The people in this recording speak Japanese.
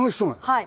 はい。